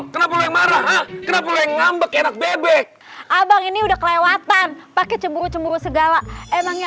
kenapa lo yang ngambek enak bebek abang ini udah kelewatan pakai cemburu cemburu segala emangnya